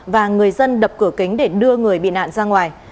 và người dân đập cửa kính để đưa người bị nạn ra ngoài